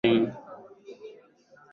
nyingi yasiyo na tija kwa nchi na maendeleo